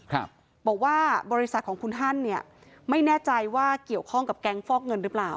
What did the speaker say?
ครับบอกว่าบริษัทของคุณฮันเนี่ยไม่แน่ใจว่าเกี่ยวข้องกับแก๊งฟอกเงินหรือเปล่า